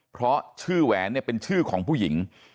เพราะชื่อแหวนเนี่ยเป็นชื่อของผู้หญิง